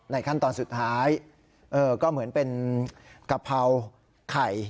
ขั้นตอนสุดท้ายก็เหมือนเป็นกะเพราไข่